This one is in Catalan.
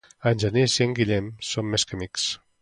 En Genís i en Guillem són més que amics.